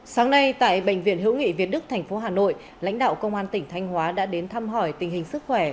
sáng nay tại bệnh viện hữu nghị việt đức thành phố hà nội lãnh đạo công an tỉnh thanh hóa đã đến thăm hỏi tình hình sức khỏe